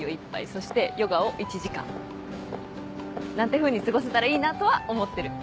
そしてヨガを１時間。なんてふうに過ごせたらいいなとは思ってる。